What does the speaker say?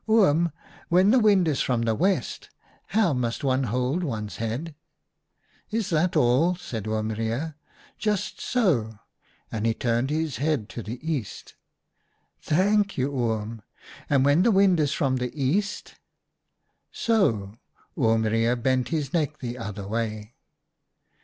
11 Oom, when the wind is from the west, how must one hold one's head ?' '"Is that all?' said Oom Reijer. 'Just so.' And he turned his head to the east. 126 OUTA KAREL'S STORIES "' Thank you, Oom. And when the wind is from the east ?'"' So.' Oom Reijer bent his neck the other way.